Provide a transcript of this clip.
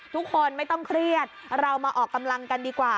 ทุกคนไม่ต้องเครียดเรามาออกกำลังกันดีกว่า